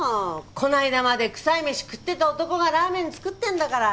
この間まで臭い飯食ってた男がラーメン作ってるんだから。